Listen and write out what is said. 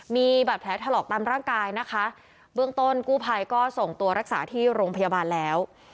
มีบาดแผลถลอกตามร่างกายนะคะเบื้องต้นกู้ภัยก็ส่งตัวรักษาที่โรงพยาบาลแล้ว